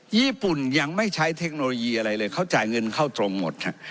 ญี่ปุ่นยังไม่ใช้เทคโนโลยีอะไรเลยเขาจ่ายเงินเข้าตรงหมด